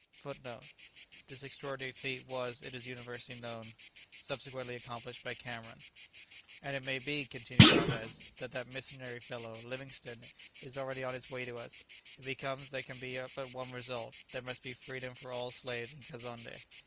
[Footnote: This extraordinary feat was, it is universally known, subsequently accomplished by Cameron.] "And it may be," continued Alvez, "that that missionary fellow, Livingstone, is already on his way to us; if he comes there can be but one result; there must be freedom for all the slaves in Kazonndé."